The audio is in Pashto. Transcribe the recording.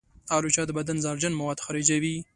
الوچه د بدن زهرجن مواد خارجوي.